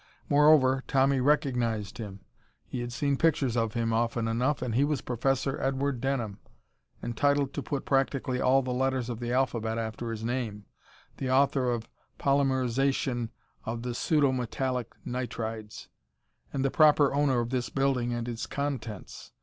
Moreover, Tommy recognized him. He had seen pictures of him often enough, and he was Professor Edward Denham, entitled to put practically all the letters of the alphabet after his name, the author of "Polymerization of the Pseudo Metallic Nitrides" and the proper owner of this building and its contents.